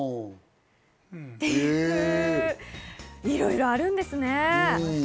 いろいろあるんですね。